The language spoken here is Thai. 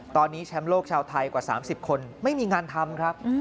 ตอนนี้แชมป์โลกชาวไทยกว่า๓๐คนไม่มีงานทำครับ